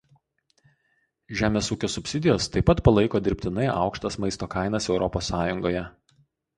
Žemės ūkio subsidijos taip pat palaiko dirbtinai aukštas maisto kainas Europos Sąjungoje.